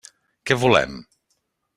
Què volem?